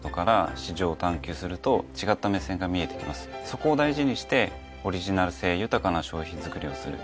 そこを大事にしてオリジナル性豊かな商品作りをする。